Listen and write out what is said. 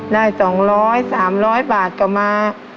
ได้สองร้อยสามร้อยบาทกลับมา